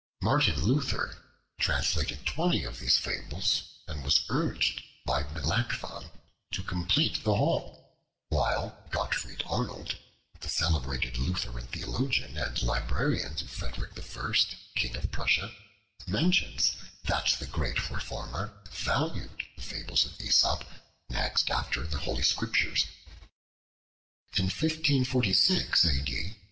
Martin Luther translated twenty of these fables, and was urged by Melancthon to complete the whole; while Gottfried Arnold, the celebrated Lutheran theologian, and librarian to Frederick I, king of Prussia, mentions that the great Reformer valued the Fables of Aesop next after the Holy Scriptures. In 1546 A.